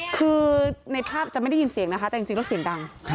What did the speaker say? คือในภาพจะไม่ได้ยินเสียงนะคะแต่จริงแล้วเสียงดัง